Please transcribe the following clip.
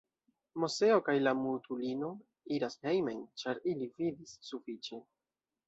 Moseo kaj la mutulino iras hejmen, ĉar ili vidis sufiĉe.